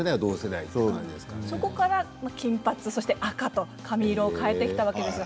そこから金髪、そして赤と髪色が変わってきたんですね。